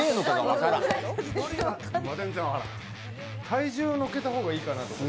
体重のっけた方がいいかなと。